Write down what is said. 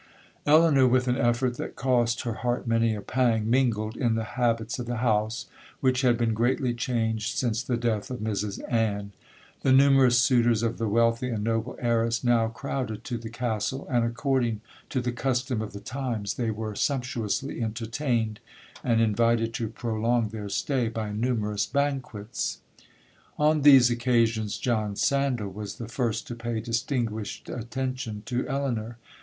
'Elinor, with an effort that cost her heart many a pang, mingled in the habits of the house, which had been greatly changed since the death of Mrs Ann. The numerous suitors of the wealthy and noble heiress, now crowded to the Castle; and, according to the custom of the times, they were sumptuously entertained, and invited to prolong their stay by numerous banquets. 'On these occasions, John Sandal was the first to pay distinguished attention to Elinor.